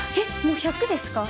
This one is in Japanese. もう１００ですか？